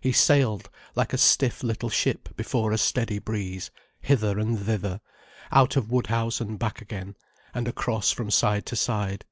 He sailed like a stiff little ship before a steady breeze, hither and thither, out of Woodhouse and back again, and across from side to side.